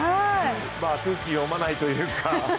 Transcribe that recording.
空気を読まないというか。